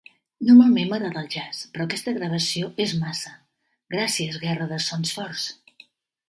Normalment m'agrada el jazz, però aquesta gravació és massa. Gràcies guerra de sons forts!